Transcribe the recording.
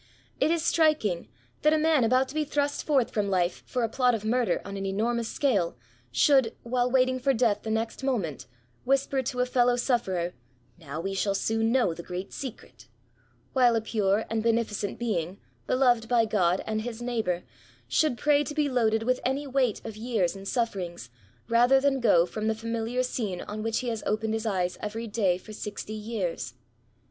It is stnking, that a mgn about to be thrust forth from life for a plot of murder on an enormous scale, should^ while waitiag for death the next moment, whisper to a fellow sufferer, " Now we shall soon DEATH TO THE INVALID. 119 know the great secret ;" while a pure and bene ficent beings beloyed by God and his neighbour, should pray to be loaded with any weight of years and sufferings rather than go from the funiliar scene on which he has opened his eyes every day for sixty years.